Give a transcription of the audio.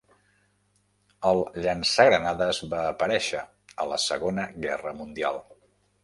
El llançagranades va aparèixer a la Segona Guerra Mundial.